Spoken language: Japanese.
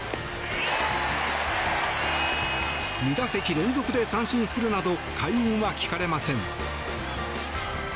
２打席連続で三振するなど快音は聞かれません。